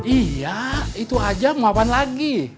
iya itu aja mau apa lagi